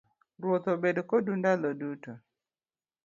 Ruoth obed kodu ndalo duto.